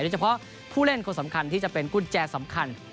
เฉพาะผู้เล่นคนสำคัญที่จะเป็นกุญแจสำคัญ